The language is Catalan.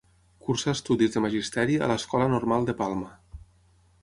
Cursà estudis de magisteri a l’Escola Normal de Palma.